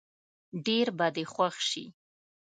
ډېر به دې خوښ شي.